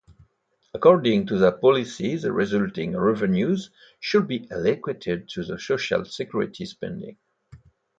According to their policy, the resulting revenues should be allocated to social security spending.